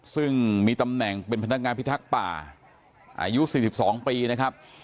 ซึ่งมีตำแหน่งเป็นพนักงานพิทักษ์ป่าอายุ๔๒ปีนะครับ